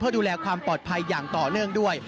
ดูแลความปลอดภัยอย่างต่อเนื่องด้วย